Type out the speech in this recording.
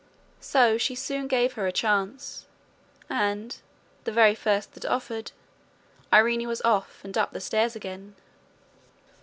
So she soon gave her a chance, and, the very first that offered, Irene was off and up the stairs again.